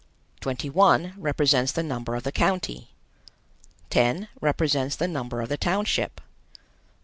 21 represents the number of the county. 10 represents the number of the township.